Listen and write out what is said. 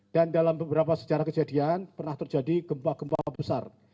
dan dalam beberapa sejarah kejadian pernah terjadi gempa gempa besar